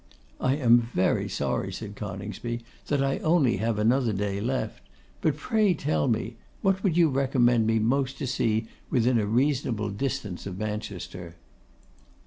'I am very sorry,' said Coningsby, 'that I have only another day left; but pray tell me, what would you recommend me most to see within a reasonable distance of Manchester?